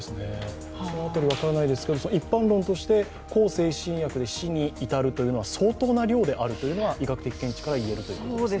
この辺り分からないですけど一般論として向精神薬で死に至るというのは相当な量であるというのは医学的見地から言えますか？